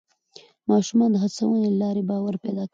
ماشومان د هڅونې له لارې باور پیدا کوي